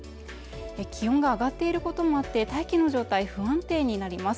気温が上がっていることもあって大気の状態不安定になります